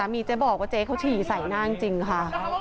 มีเจ๊บอกว่าเจ๊เขาฉี่ใส่หน้าจริงค่ะ